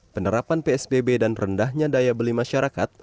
penerapan psbb dan rendahnya daya beli masyarakat